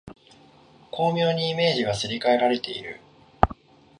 巧妙にイメージがすり替えられている